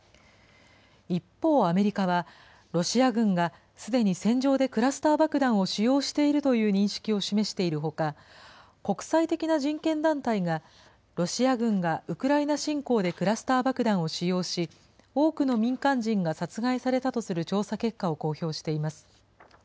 一方、アメリカは、ロシア軍が、すでに戦場でクラスター爆弾を使用しているという認識を示しているほか、国際的な人権団体が、ロシア軍がウクライナ侵攻でクラスター爆弾を使用し、多くの民間人が殺害されたとする調査結果を公表しています。